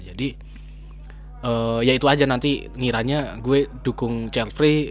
jadi ya itu aja nanti ngiranya gue dukung childfree